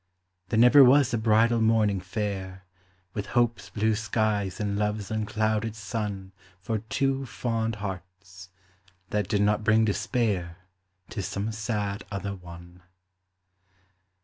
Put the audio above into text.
There never was a bridal morning fair With hope's blue skies and love's unclouded sun For two fond hearts, that did not bring despair To some sad other one.